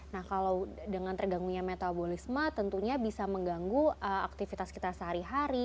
nah kalau dengan terganggunya metabolisme tentunya bisa mengganggu aktivitas kita sehari hari